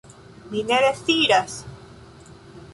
Mi ne deziras!